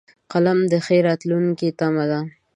قلم د ښې راتلونکې تمه ده